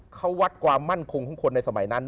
เขาวัดความมั่นคงของคนในสมัยนั้น